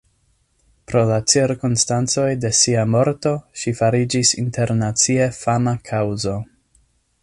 Pro la cirkonstancoj de sia morto ŝi fariĝis internacie fama kaŭzo.